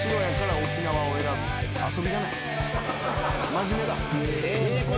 真面目だ。